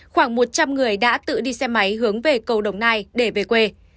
khoảng một trăm linh người đã tự đi xe máy hướng về cầu đồng nai để về quê